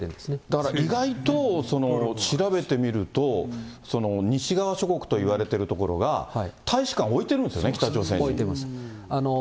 だから意外と、調べてみると、西側諸国といわれているところが、大使館置いてるんですよね、北朝置いてます。